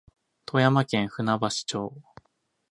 富山県舟橋村